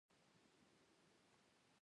د ژمي په موسم کي د ماشومانو ساتنه وکړئ